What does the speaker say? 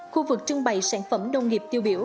khu vực trưng bày sản phẩm nông nghiệp tiêu biểu